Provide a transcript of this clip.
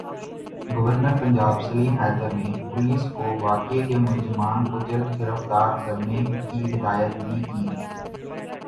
governor Punjab Saleem Haider نے police کو واقعے کے ملزمان کو جلد گرفتار کرنے کی ہدایت بھی کی